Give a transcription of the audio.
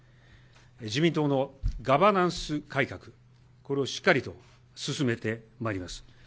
自民党のガバナンス改革、これをしっかりと進めてまいります。